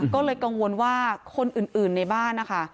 ก็เลยกังวลว่าคนอื่นในบ้านนะคะ